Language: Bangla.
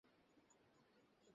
আর ঠান্ডা পানিও না।